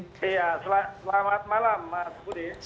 iya selamat malam mas budi